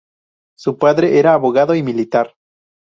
Su padre era abogado y militar.